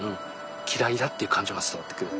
嫌いだっていう感情が伝わってくる。